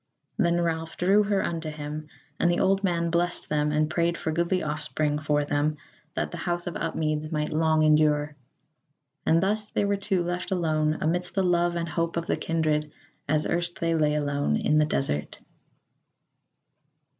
Then Ralph drew her unto him; and the old man blessed them and prayed for goodly offspring for them, that the House of Upmeads might long endure. And thus were they two left alone amidst the love and hope of the kindred, as erst they lay alone in the desert.